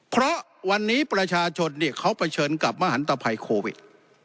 เพราะวันนี้ประชาชนเขาเผชิญกับมหันตภัยโควิด